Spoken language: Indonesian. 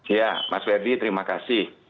ya mas verdi terima kasih